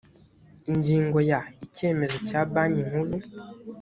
ingingo ya…: icyemezo cya banki nkuru